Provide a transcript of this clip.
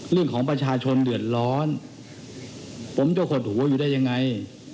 เรื่องของประชาชนเดือดร้อนผมจะหดหัวอยู่ได้ยังไง